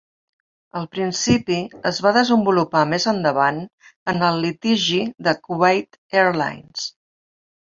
El principi es va desenvolupar més endavant en el litigi de "Kuwait Airlines".